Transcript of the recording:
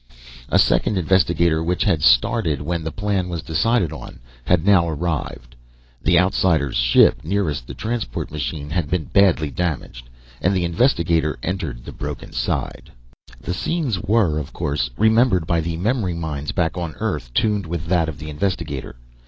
A second investigator, which had started when the plan was decided on, had now arrived. The Outsider's ship nearest the transport machine had been badly damaged, and the investigator entered the broken side. The scenes were, of course, remembered by the memory minds back on Earth tuned with that of the investigator.